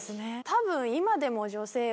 たぶん。